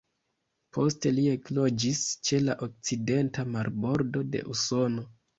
Poste li ekloĝis ĉe la okcidenta marbordo de Usono.